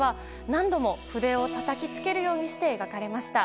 何度も筆をたたきつけるようにして描かれました。